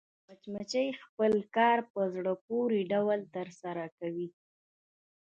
مچمچۍ خپل کار په زړه پورې ډول ترسره کوي